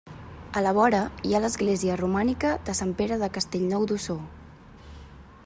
A la vora hi ha l'església romànica de Sant Pere de Castellnou d'Ossó.